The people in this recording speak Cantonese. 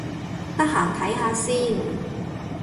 得閒睇下先